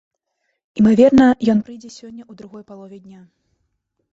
Імаверна, ён прыйдзе сёння ў другой палове дня.